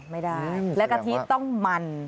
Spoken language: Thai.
ไม่ได้และกะทิต้องมัน